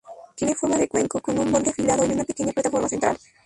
Tiene forma de cuenco, con un borde afilado y una pequeña plataforma central.